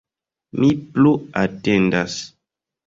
Mi plu atendas.